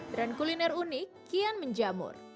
dan kuliner unik kian menjamur